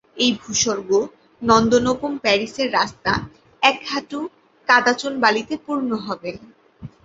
এই ভূস্বর্গ, নন্দনোপম প্যারিসের রাস্তা এক হাঁটু কাদা চুন বালিতে পূর্ণ হবেন।